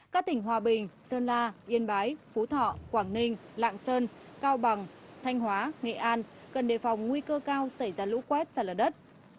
các tỉnh hòa bình sơn la yên bái phú thọ quảng ninh lạng sơn cao bằng thanh hóa nghệ an cần đề phòng nguy cơ cao xảy ra lũ quét sạt lở đất